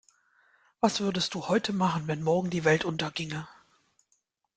Was würdest du heute machen, wenn morgen die Welt unterginge?